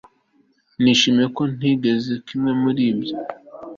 nishimiye ko ntaguze kimwe muri ibyo